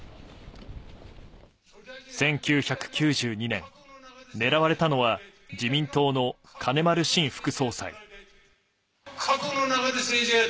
１９９２年、狙われたのは自民党の金丸信副総裁。